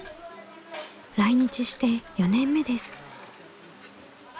来日して４年目です。